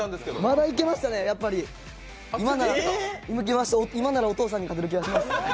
まだいけましたね、やっぱり今ならお父さんに勝てる気がします。